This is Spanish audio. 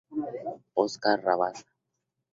Óscar Rabasa.